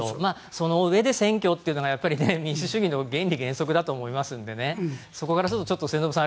そのうえで選挙というのが民主主義の原理原則だと思いますのでそこからすると末延さん